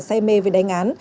say mê về đánh án